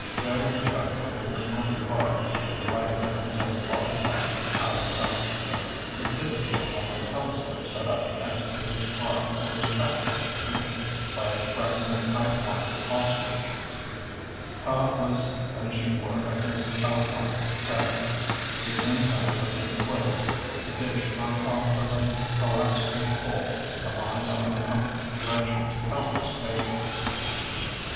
Joe and Chuck were in their own car, the riot guns and walkie talkie out of sight. McDevitt had the telescope set up next to his car and was practicing with it by tracking a high flying osprey. Cobb was finishing work on his electronic setup. His antenna was in place, the dish on top of the collapsible pole aligned on the compass direction to Calvert's Favor.